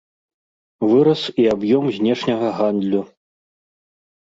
Вырас і аб'ём знешняга гандлю.